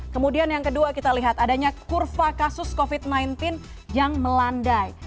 kemudian yang kedua kita lihat adanya kurva kasus covid sembilan belas yang melandai